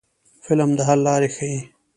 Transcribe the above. فلم د حل لارې ښيي